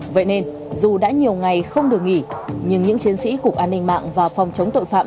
vậy nên dù đã nhiều ngày không được nghỉ nhưng những chiến sĩ cục an ninh mạng và phòng chống tội phạm